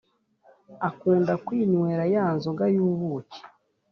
akunda kwinywera ya nzoga y’ubuki.